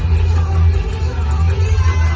มันเป็นเมื่อไหร่แล้ว